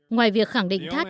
ngoài việc khẳng định thát